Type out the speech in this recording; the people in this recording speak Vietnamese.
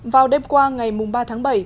vào đêm qua ngày ba tháng bảy